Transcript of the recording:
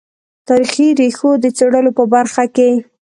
تاریخي ریښو د څېړلو په برخه کې.